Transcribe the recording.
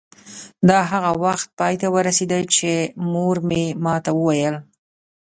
دا هغه وخت پای ته ورسېده چې مور مې ما ته وویل.